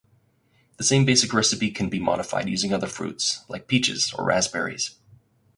The same basic recipe can be modified using other fruits like peaches or raspberries.